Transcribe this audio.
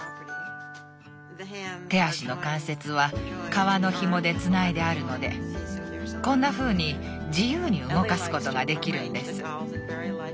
手足の関節は革のひもでつないであるのでこんなふうに自由に動かすことができるんです。